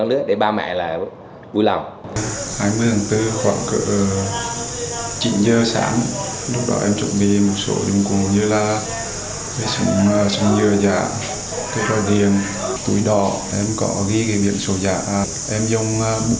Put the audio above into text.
để ba mẹ là vui lòng